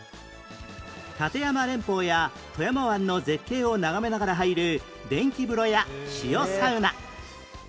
立山連峰や富山湾の絶景を眺めながら入る電気風呂や塩サウナ